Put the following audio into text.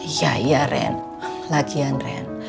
iya iya ren lagian ren